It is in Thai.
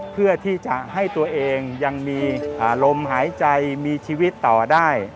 เพื่อที่จะให้ตัวเองยังมีลมหายใจมีชีวิตต่อได้